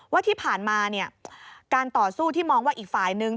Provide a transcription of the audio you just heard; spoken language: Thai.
ว่าที่ผ่านมาเนี่ยการต่อสู้ที่มองว่าอีกฝ่ายนึง